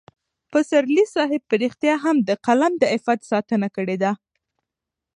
پسرلي صاحب په رښتیا هم د قلم د عفت ساتنه کړې ده.